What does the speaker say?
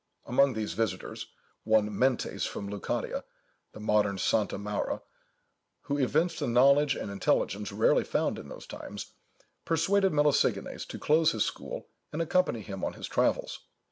Among these visitors, one Mentes, from Leucadia, the modern Santa Maura, who evinced a knowledge and intelligence rarely found in those times, persuaded Melesigenes to close his school, and accompany him on his travels.